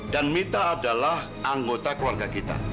dan mita adalah anggota keluarga kita